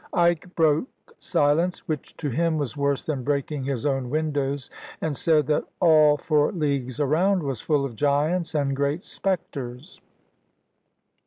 Ike broke silence, which to him was worse than breaking his own windows, and said that all for leagues around was full of giants and great spectres.